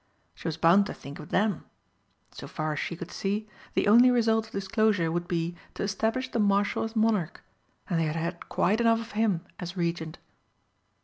She was bound to think of them. So far as she could see, the only result of disclosure would be to establish the Marshal as Monarch and they had had quite enough of him as Regent.